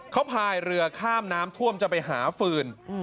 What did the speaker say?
เขาพายเรือข้ามน้ำท่วมจะไปหาฟืน